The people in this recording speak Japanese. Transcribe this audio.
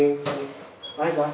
バイバイ。